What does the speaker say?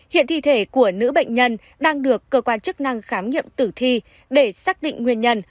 hiện thi thể của nữ bệnh nhân đang được cơ quan chức năng khám nghiệm tử thi để xác định nguyên nhân